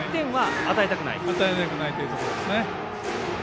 与えたくないということですね。